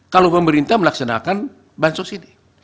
kalau pemerintah melaksanakan bansos ini